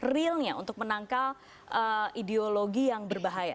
realnya untuk menangkal ideologi yang berbahaya